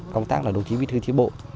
công tác là đồng chí bí thư tri bộ